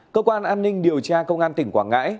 cơ quan an ninh điều tra công an tỉnh quảng ngãi